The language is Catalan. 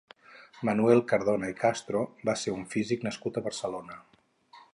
Manuel Cardona i Castro va ser un físic nascut a Barcelona.